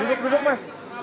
duduk duduk mas